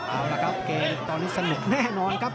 เอาละครับเกมตอนนี้สนุกแน่นอนครับ